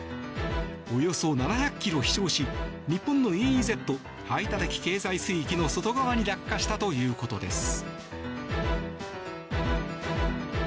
およそ７００ｋｍ飛翔し日本のＥＥＺ・排他的経済水域の外側に落下したということです。